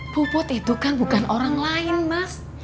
puput itu kan bukan orang lain mas